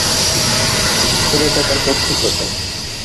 ছেলেটা কাল পথ্যি করবে।